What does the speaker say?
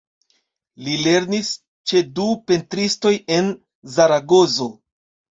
Li lernis ĉe du pentristoj en Zaragozo.